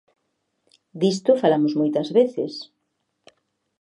Disto falamos moitas veces.